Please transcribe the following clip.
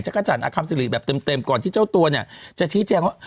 กระจันทัมซิริแบบเต็มก่อนที่เจ้าตัวเนี่ยจะชี้แจงว่า